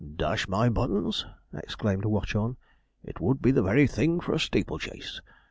'Dash my buttons!' exclaimed Watchorn; 'it would be the very thing for a steeple chase!